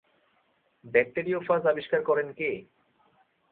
Bacteriophage আবিষ্কার করেন কে?